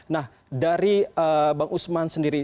nah dari bang usman sendiri